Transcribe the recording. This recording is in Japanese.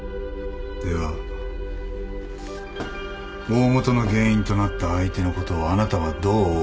では大本の原因となった相手のことをあなたはどうお思いですか？